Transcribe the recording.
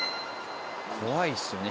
怖いですよね